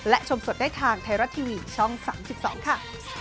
และชมสดได้ทางไทยรัฐทีวีช่อง๓๒ค่ะ